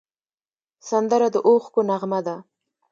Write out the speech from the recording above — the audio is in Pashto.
سندره د اوښکو نغمه ده